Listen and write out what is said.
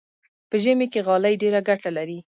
په ژمي کې غالۍ ډېره ګټه لري.